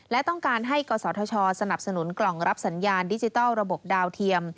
และต้องการให้กศธชสนับสนุนกล่องรับสัญญาณดิจิทัลระบบดาวเทียม